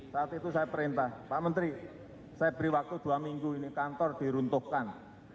saat itu saya perintah pak menteri saya beri waktu dua minggu ini kantor diruntuhkan